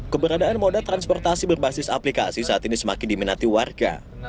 keberadaan moda transportasi berbasis aplikasi saat ini semakin diminati warga